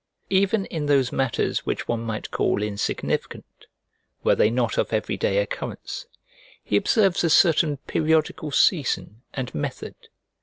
Even in those matters which one might call insignificant, were they not of every day occurrence, he observes a certain periodical season and method.